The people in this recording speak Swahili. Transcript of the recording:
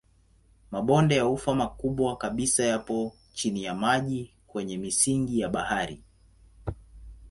Mabonde ya ufa makubwa kabisa yapo chini ya maji kwenye misingi ya bahari.